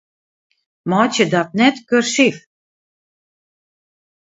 Meitsje dat net kursyf.